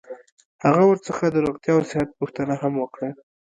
هغه ورڅخه د روغتیا او صحت پوښتنه هم وکړه.